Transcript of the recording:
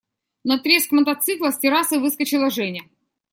На треск мотоцикла с террасы выскочила Женя.